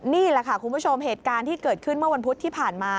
นี่แหละค่ะคุณผู้ชมเหตุการณ์ที่เกิดขึ้นเมื่อวันพุธที่ผ่านมา